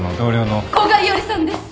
古賀一織さんです！